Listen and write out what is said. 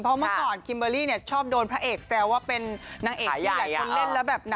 เพราะเมื่อก่อนคิมเบอร์รี่เนี่ยชอบโดนพระเอกแซวว่าเป็นนางเอกที่หลายคนเล่นแล้วแบบ